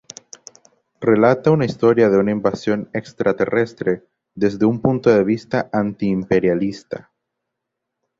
Relata una historia de una invasión extraterrestre, desde un punto de vista antiimperialista.